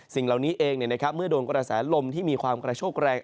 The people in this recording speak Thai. สิ่งเหล่านี้เองเนี่ยนะครับเมื่อโกรธแสลมที่มีความกระโชคแรง